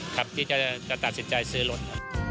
ครับที่จะตัดสินใจซื้อรถ